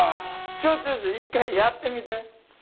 ちょっとちょっと一回やってみて。